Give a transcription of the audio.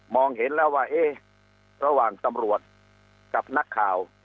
เห็นแล้วว่าเอ๊ะระหว่างตำรวจกับนักข่าว